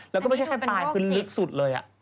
แล้วก็ไม่ใช่แค่ปลายพื้นลึกสุดเลย